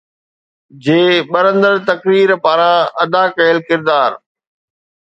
جي ٻرندڙ تقرير پاران ادا ڪيل ڪردار